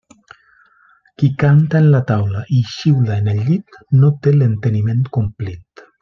Qui canta en la taula i xiula en el llit no té l'enteniment complit.